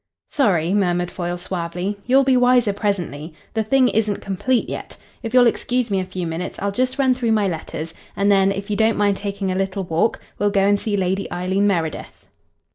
"Sorry," murmured Foyle suavely. "You'll be wiser presently. The thing isn't complete yet. If you'll excuse me a few minutes, I'll just run through my letters, and then, if you don't mind taking a little walk, we'll go and see Lady Eileen Meredith."